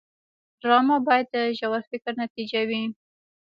ډرامه باید د ژور فکر نتیجه وي